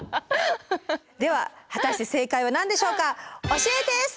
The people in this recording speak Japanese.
では果たして正解は何でしょうか？